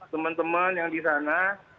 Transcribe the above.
teman teman yang di sana